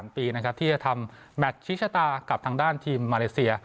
ที่จะทำแมทชีชะตากับทางด้านทีมมาเลเซีย